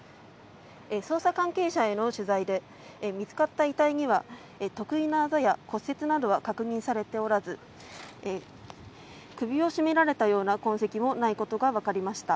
捜査関係者への取材で見つかった遺体には特異なあざや骨折などは確認されておらず首を絞められたような痕跡もないことが分かりました。